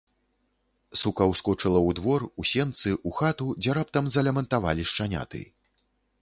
Сука ўскочыла ў двор, у сенцы, у хату, дзе раптам залямантавалі шчаняты.